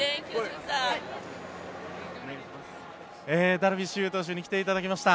ダルビッシュ有投手に来ていただきました。